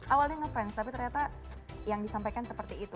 awalnya ngefans tapi ternyata yang disampaikan seperti itu